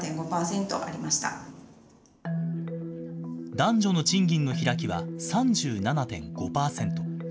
男女の賃金の開きは３７．５％。